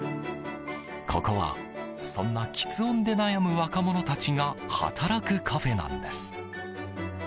ここは、そんな吃音で悩む若者たちが働くカフェなんです。